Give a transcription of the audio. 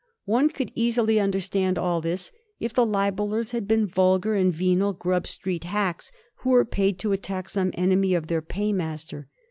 One could easily understand all this if the libellers had been vulgar and venal Grub Street hacks who were paid to attack some enemy of their paymaster.